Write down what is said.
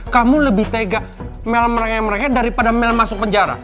kamu lebih tega mel mereka daripada mel masuk penjara